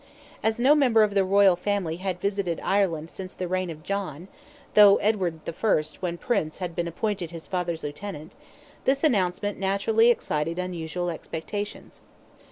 As no member of the royal family had visited Ireland since the reign of John—though Edward I., when Prince, had been appointed his father's lieutenant—this announcement naturally excited unusual expectations.